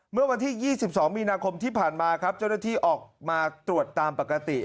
เมื่อวันที่๒๒มีนาคมที่ผ่านมาครับเจ้าหน้าที่ออกมาตรวจตามปกติ